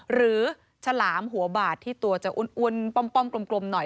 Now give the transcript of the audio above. ฉลามหัวบาดที่ตัวจะอ้วนป้อมกลมหน่อย